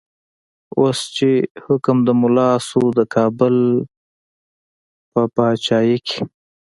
اوس چی حکم د ملا شو، د کابل په با چايې کی